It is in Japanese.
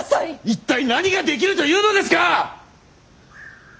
一体何ができるというのですか！